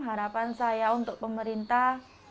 harapan saya untuk pemerintah